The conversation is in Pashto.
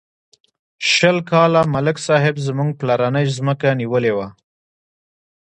شل کاله ملک صاحب زموږ پلرنۍ ځمکه نیولې وه.